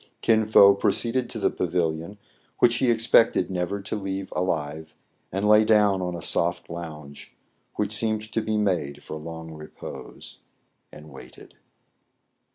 Kin Fo proceeded to the pavilion, which he ex pected never to leave alive, and lay down on a soft lounge, which seemed to be made for long repose, and waited.